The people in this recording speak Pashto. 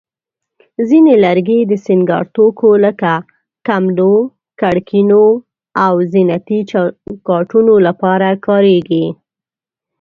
ځینې لرګي د سینګار توکو لکه کملو، کړکینو، او زینتي چوکاټونو لپاره کارېږي.